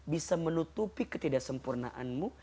bisa menutupi ketidaksempurnaanmu